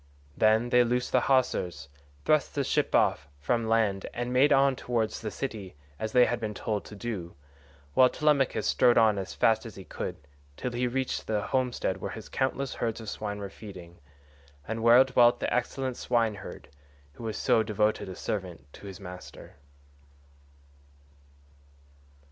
Then they loosed the hawsers, thrust the ship off from land, and made on towards the city as they had been told to do, while Telemachus strode on as fast as he could, till he reached the homestead where his countless herds of swine were feeding, and where dwelt the excellent swineherd, who was so devoted a servant to his master.